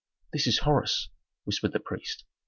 "This is Horus," whispered the priest.